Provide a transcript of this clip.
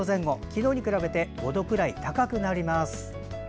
昨日に比べて５度くらい高くなります。